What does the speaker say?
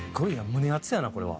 胸アツやなこれは。